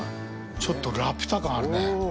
ちょっとラピュタ感あるね。